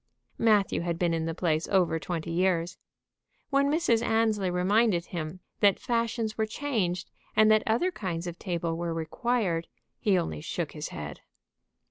Matthew had been in the place over twenty years. When Mrs. Annesley reminded him that fashions were changed, and that other kinds of table were required, he only shook his head.